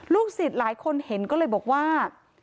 ศิษย์หลายคนเห็นก็เลยบอกว่า